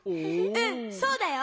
うんそうだよ。